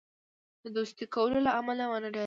د دوستی کولو له امله ونه ډاریږي.